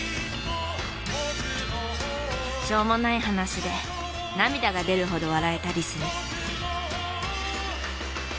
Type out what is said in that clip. しょうもない話で涙が出るほど笑えたりする。